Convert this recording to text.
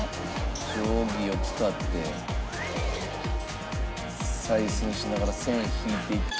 定規を使って採寸しながら線引いて。